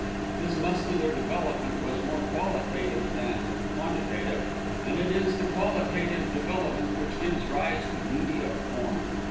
His muscular development was more qualitative than quantitative, and it is the qualitative development which gives rise to beauty of form.